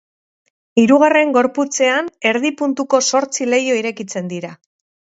Hirugarren gorputzean erdi puntuko zortzi leiho irekitzen dira.